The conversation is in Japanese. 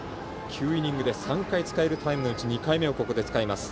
９イニングで３回使えるタイムのうち２回目をここで使います。